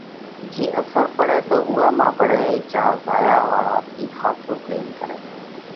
جي اثر پڙئه تو اُوئا مانه پڙئه جيا زايا واۯا ٿِي ۿاسو پريم ڪرئه۔